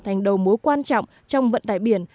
thành đầu mối quan trọng trong vận tải biển